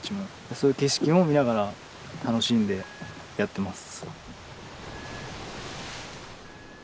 そういう景色も見ながら楽しんでやってます。